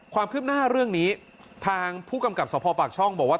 ความคืบหน้าเรื่องนี้ทางผู้กำกับสภปากช่องบอกว่า